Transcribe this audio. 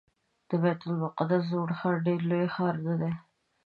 د بیت المقدس زوړ ښار ډېر لوی ښار نه دی.